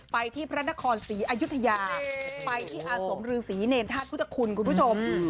ไปที่พระนครศรีอายุทยาไปที่อาสมฤษีเนรธาตุพุทธคุณคุณผู้ชม